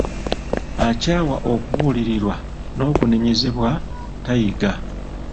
Akyawa okubuulirirwa n'okunenyezebwa tayiga.